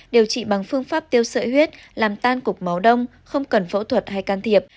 điều trị bằng phương pháp tiêu sợi huyết làm tan cục máu đông không cần phẫu thuật hay can thiệp